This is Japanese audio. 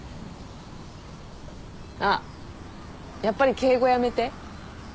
あっやっぱり敬語やめて。